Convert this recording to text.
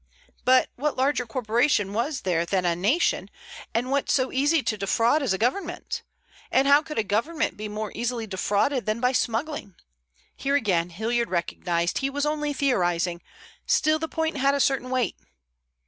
But what larger corporation was there than a nation, and what so easy to defraud as a government? And how could a government be more easily defrauded than by smuggling? Here again Hilliard recognized he was only theorizing; still the point had a certain weight.